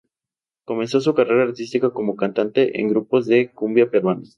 Comenzó su carrera artística como cantante en grupos de cumbia peruana.